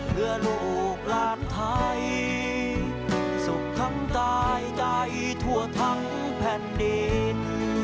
เพื่อลูกหลานไทยสุขทั้งกายใดทั่วทั้งแผ่นดิน